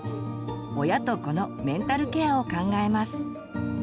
親と子のメンタルケアを考えます。